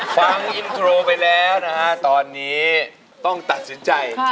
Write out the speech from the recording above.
ฟังอินโทรไปแล้วนะฮะตอนนี้ต้องตัดสินใจ